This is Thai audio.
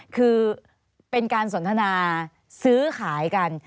คือเป็นการสนทนาซื้อขายกัน